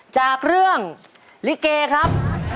จากเรื่องลิเกครับ